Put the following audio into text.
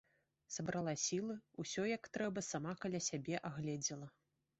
Сабрала сілы, усё, як трэба, сама каля сябе агледзела.